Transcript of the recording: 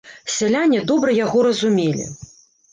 Сяляне добра яго разумелі.